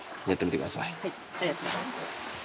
ありがとうございます。